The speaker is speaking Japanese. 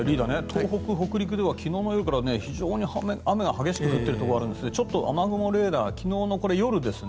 東北、北陸では昨日の夜から非常に雨が激しく降っているところがありますが雨雲レーダー、昨日の夜です。